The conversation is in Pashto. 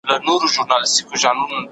دا ناول د افغانانو د یووالي او قدرت نښه ده.